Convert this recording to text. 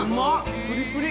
プリプリ。